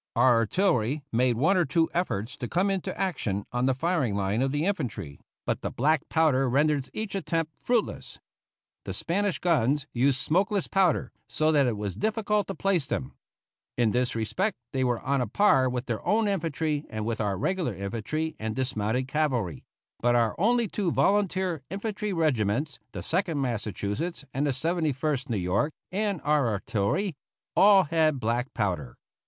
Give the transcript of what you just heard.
Our artillery made one or two efforts to come into action on the firing line of the infantry, but the black powder rendered each attempt fruitless. The Spanish guns used smokeless powder, so that it was difficult to place them. In this respect they were on a par with their own infantry and with our regular infantry and dismounted cavalry; but our only two volunteer infantry regiments, the Second Massachusetts and the Seventy first New York, and our artillery, all had black powder.